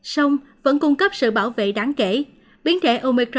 sông vẫn cung cấp sự bảo vệ đáng kể